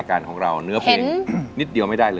การของเราเนื้อเพลงนิดเดียวไม่ได้เลย